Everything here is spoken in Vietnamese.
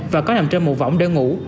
và có nằm trên một vỏng để ngủ